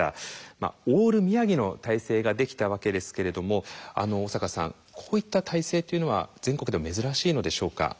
オール宮城の体制ができたわけですけれども小坂さんこういった体制っていうのは全国でも珍しいのでしょうか？